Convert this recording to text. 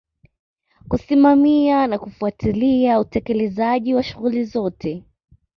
Kusimamia na kufuatilia utekelezaji wa shughuli zote